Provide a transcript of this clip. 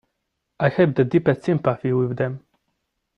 I have the deepest sympathy with them.